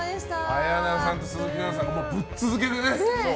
綾菜さんと鈴木奈々さんがぶっつけでね。